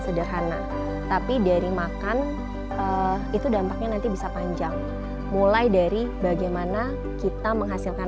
sederhana tapi dari makan itu dampaknya nanti bisa panjang mulai dari bagaimana kita menghasilkan